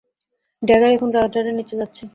Dagger এখন রাডারের নিচে যাচ্ছে।